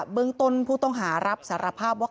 เบื้องต้นผู้ต้องหารับสารภาพว่า